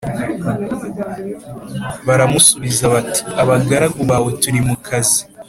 Baramusubiza bati Abagaragu bawe turi mu kazi